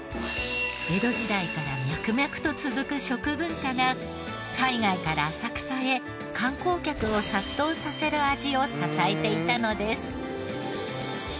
江戸時代から脈々と続く食文化が海外から浅草へ観光客を殺到させる味を支えていたのです。